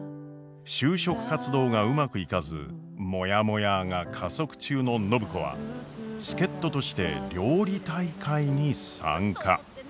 就職活動がうまくいかずもやもやーが加速中の暢子は助っ人として料理大会に参加。